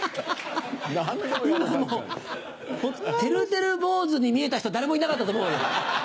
今もうホントてるてる坊主に見えた人誰もいなかったと思うよ。